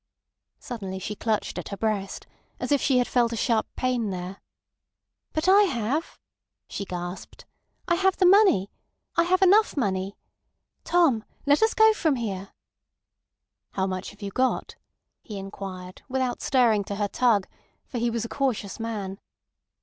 Suddenly she clutched at her breast, as if she had felt a sharp pain there. "But I have," she gasped. "I have the money. I have enough money. Tom! Let us go from here." "How much have you got?" he inquired, without stirring to her tug; for he was a cautious man.